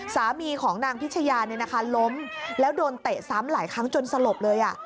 สามีของนางพิชยาเนี่ยนะคะล้มแล้วโดนเตะซ้ำหลายครั้งจนสลบเลย